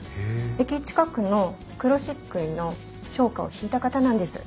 駅近くの黒漆喰の商家をひいた方なんです。